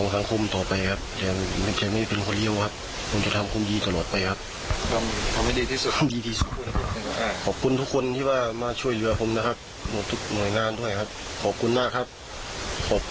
ขอบคุณค่าน้องหน้าครับ